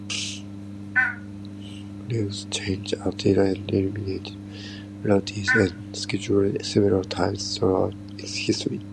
Lynx changed, added, and eliminated routes and schedules several times throughout its history.